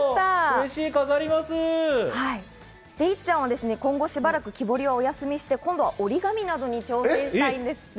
うれしいっちゃんは今後しばらく木彫りはお休みして、今度は折り紙などに挑戦したいんですって。